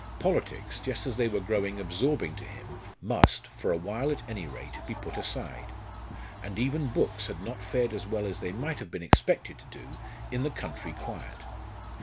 Politics, just as they were growing absorbing to him, must, for a while at any rate, be put aside; and even books had not fared as well as they might have been expected to do in the country quiet.